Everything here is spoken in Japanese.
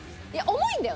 重いんだよ。